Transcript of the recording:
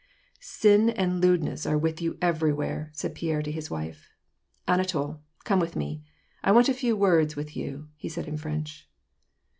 " Sin and lewdness are with you everywhere," said Pierre to his wife. " Anatol, come with me, I want a few words with you," he said, in French.